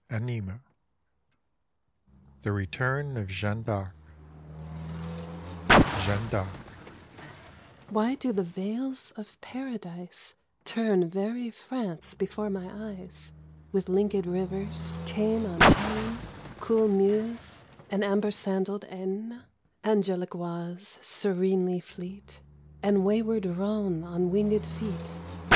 19 THE RETURN OF JEANNE D'ARC Jeanne d'Aec : Why do the vales of Paradise Turn very France before my eyes With linked rivers, chain on chain, Cool Meuse and amber sandaled Aisne, Angelic Oise serenely fleet, And wayward Rhone on winged feet?